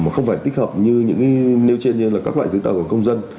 không phải tích hợp như những nêu trên như là các loại dưới tàu của công dân